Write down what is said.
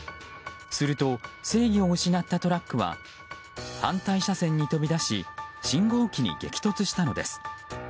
すると、制御を失ったトラックは反対車線に飛び出し信号機に激突したのです。